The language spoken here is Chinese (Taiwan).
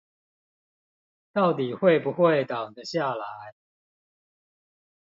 到底會不會擋得下來